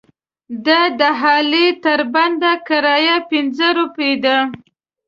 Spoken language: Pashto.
د دهالې تر بنده کرایه پنځه روپۍ ده.